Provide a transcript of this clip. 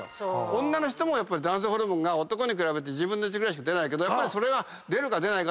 女の人も男性ホルモンが男に比べて１０分の１ぐらいしか出ないけど出るか出ないかでやる気が違う。